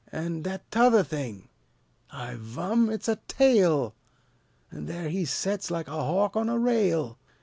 An' that t'other thing? I vum, it's a tail! An' there he sets, like a hawk on a rail!